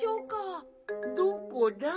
どこだ？